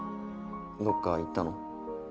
どっか行ったの？